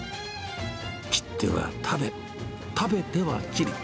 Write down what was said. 切っては食べ、食べては切る。